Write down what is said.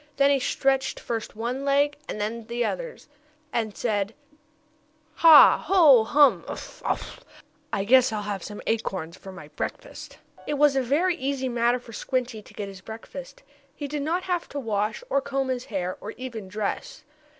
Then he stretched first one leg and then the others, and said: "Ha! Ho! Hum! Uff! Uff! I guess I'll have some acorns for my breakfast." It was a very easy matter for Squinty to get his breakfast. He did not have to wash, or comb his hair, or even dress.